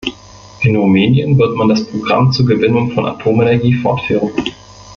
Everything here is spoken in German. In Rumänien wird man das Programm zur Gewinnung von Atomenergie fortführen.